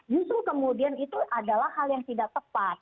justru kemudian itu adalah hal yang tidak tepat